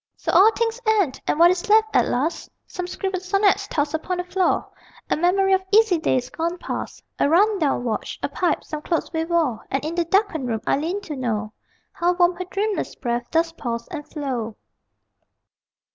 So all things end: and what is left at last? Some scribbled sonnets tossed upon the floor, A memory of easy days gone past, A run down watch, a pipe, some clothes we wore And in the darkened room I lean to know How warm her dreamless breath does pause and flow.